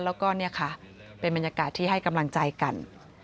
แล้วก็เนี่ยค่ะเป็นบรรยากาศที่ให้กำลังใจกัน